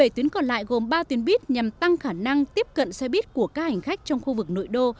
bảy tuyến còn lại gồm ba tuyến buýt nhằm tăng khả năng tiếp cận xe buýt của các hành khách trong khu vực nội đô